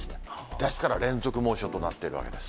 ですから連続猛暑となっているわけです。